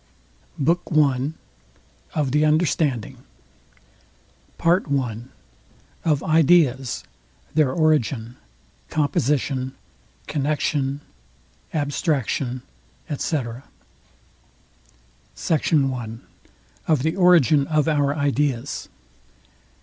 BOOK I OF THE UNDERSTANDING PART I OF IDEAS, THEIR ORIGIN, COMPOSITION, CONNEXION, ABSTRACTION, ETC. SECT. I OF THE ORIGIN OF OUR IDEAS.